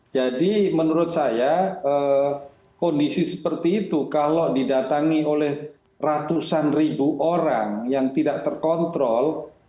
jadi menurut saya kondisi seperti itu kalau didatangi oleh ratusan ribu orang yang tidak terkontrol